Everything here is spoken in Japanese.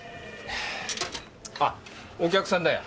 あお客さんだよ。